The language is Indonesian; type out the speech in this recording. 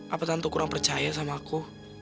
apa tante kurang percaya sama aku